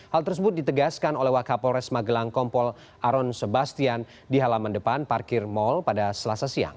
hal tersebut ditegaskan oleh wakapolres magelang kompol aron sebastian di halaman depan parkir mal pada selasa siang